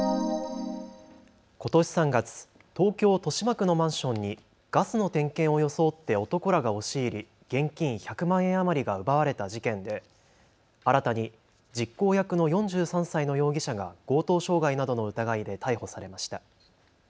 ことし３月、東京豊島区のマンションにガスの点検を装って男らが押し入り現金１００万円余りが奪われた事件で新たに実行役の４３歳の容疑者が強盗傷害などの疑いで逮捕されました。